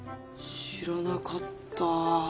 知らなかった。